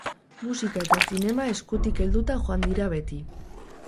Musika eta zinema eskutik helduta joan dira beti.